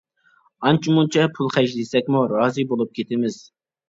ئانچە مۇنچە پۇل خەجلىسەكمۇ رازى بولۇپ كېتىمىز.